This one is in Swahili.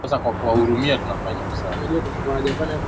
kwa kuhusika kwenye mauaji ya raia wanaoshinikiza